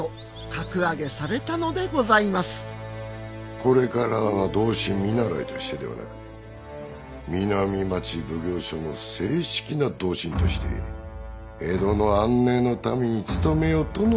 これからは同心見習としてではなく南町奉行所の正式な同心として江戸の安寧のために勤めよとのお言葉じゃ。